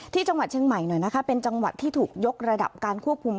ที่จังหวัดเชียงใหม่หน่อยนะคะเป็นจังหวัดที่ถูกยกระดับการควบคุม